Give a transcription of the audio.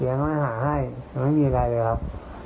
เดี๋ยวเขามาหาให้มันไม่มีอะไรเลยครับ